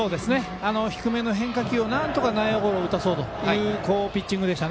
低めの変化球をなんとか内野ゴロを打たそうというピッチングでした。